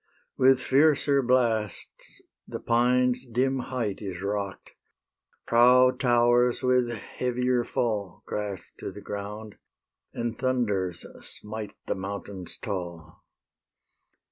With fiercer blasts the pine's dim height Is rock'd; proud towers with heavier fall Crash to the ground; and thunders smite The mountains tall.